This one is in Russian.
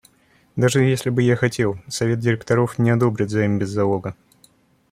Даже если бы я хотел, совет директоров не одобрит займ без залога.